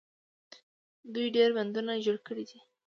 دوی ډیر بندونه جوړ کړي دي.